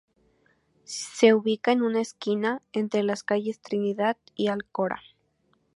Se ubica en una esquina, entre las calles Trinidad y Alcora.